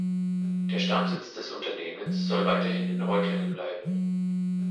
Der Stammsitz des Unternehmens soll weiterhin in Reutlingen bleiben.